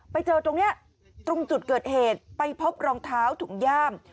ไปเจอตรงนี้ตรงจุดเกิดเหตุไปพบรองเท้าถุงย่าม